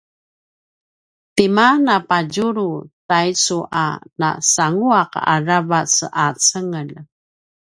tima napadjulu taicu a nasanguaq aravac a cengelj?